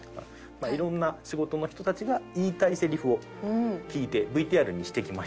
いろんな仕事の人たちが言いたいセリフを聞いてＶＴＲにしてきました。